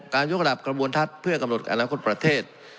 ยกระดับกระบวนทัศน์เพื่อกำหนดอนาคตประเทศ